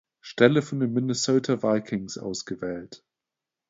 Stelle von den Minnesota Vikings ausgewählt.